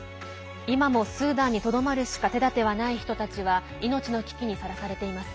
今もスーダンにとどまるしか手だてはない人たちは命の危機にさらされています。